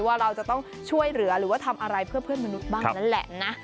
ว่าเราจะต้องช่วยเหลือหรือว่าทำอะไรเพื่อเพื่อนมนุษย์บ้างนั่นแหละนะ